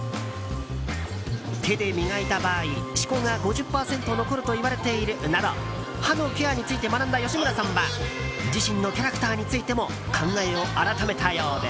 手で磨いた場合、歯垢が５０％残るといわれているなど歯のケアについて学んだ吉村さんは自身のキャラクターについても考えを改めたようで。